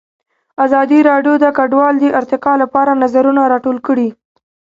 ازادي راډیو د کډوال د ارتقا لپاره نظرونه راټول کړي.